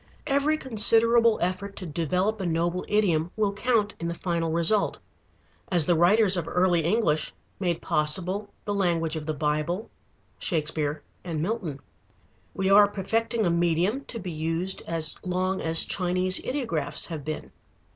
Every considerable effort to develop a noble idiom will count in the final result, as the writers of early English made possible the language of the Bible, Shakespeare, and Milton. We are perfecting a medium to be used as long as Chinese ideographs have been.